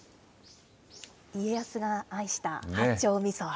家康が愛した八丁みそ。